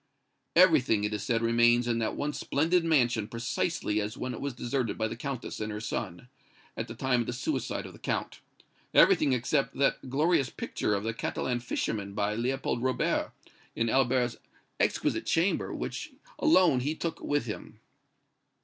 "Everything, it is said, remains in that once splendid mansion precisely as when it was deserted by the Countess and her son, at the time of the suicide of the Count everything except that glorious picture of the Catalan fisherman by Leopold Robert, in Albert's exquisite chamber, which alone he took with him."